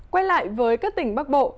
quay lại với các tỉnh bắc bộ